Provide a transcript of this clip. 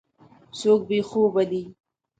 څوک بې خوبه دی.